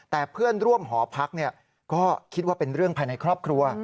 แต่เพื่อนร่วมหอพักก็คิดว่าเป็นเรื่องภายในครอบครัว